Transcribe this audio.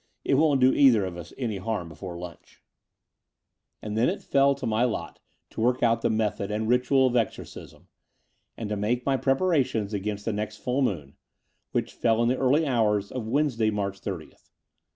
''It won't do either of us any harm before Itmch." 20 306 The Door of the Unreal XVIII And then it fell to my lot to work out the method and ritual of exorcism, and to make my prepara tions against the next full moon, which fell in the early hours of Wednesday, May 30th.